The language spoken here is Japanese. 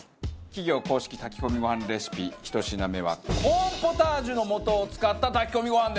企業公式炊き込みご飯レシピ１品目はコーンポタージュの素を使った炊き込みご飯です。